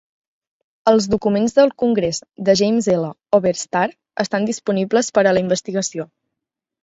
Els documents del congrés de James L. Oberstar estan disponibles per a la investigació.